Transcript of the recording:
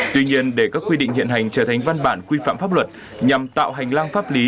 tuy nhiên để các quy định hiện hành trở thành văn bản quy phạm pháp luật nhằm tạo hành lang pháp lý